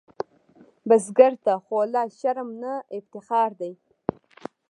بزګر ته خوله شرم نه، افتخار دی